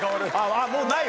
あっもうないよ。